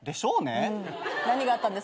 何があったんですか？